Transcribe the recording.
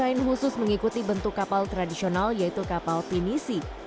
pavilion indonesia resmi mengikuti bentuk kapal tradisional yaitu kapal pinisi